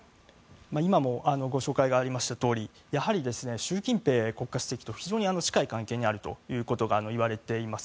今もご紹介がありましたとおりやはり習近平国家主席と非常に近い関係にあるということが言われています。